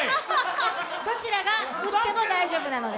どちらが打っても大丈夫なので。